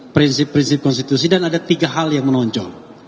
prinsip prinsip konstitusi dan ada tiga hal yang menonjol